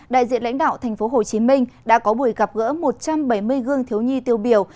đại diện lãnh đạo tp hcm đã có buổi gặp gỡ một trăm bảy mươi gương thiếu nhi tiêu biểu